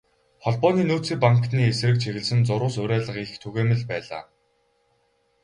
Холбооны нөөцийн банкны эсрэг чиглэсэн зурвас, уриалга их түгээмэл байлаа.